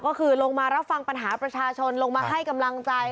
ก็คือลงมารับฟังปัญหาประชาชนลงมาให้กำลังใจ